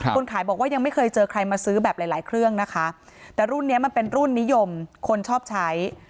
คนขายบอกว่ายังไม่เคยเจอใครมาซื้อแบบหลายหลายเครื่องนะคะแต่รุ่นนี้มันเป็นรุ่นนิยมคนชอบใช้